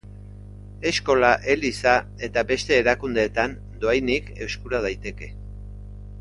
Eskola, eliza eta beste erakundeetan dohainik eskura daiteke.